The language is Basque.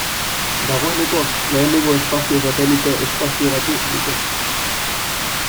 Dagoeneko lehenengo espazio-satelite espazioratu dute.